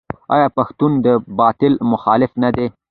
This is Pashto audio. آیا پښتون د باطل مخالف نه دی؟